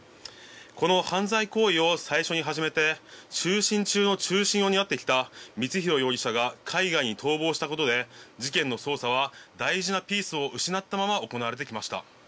この犯罪行為を最初に初めて中心中の中心を担ってきた光弘容疑者が海外に逃亡したことで事件の捜査は大事なピースを失ったまま行われてきました。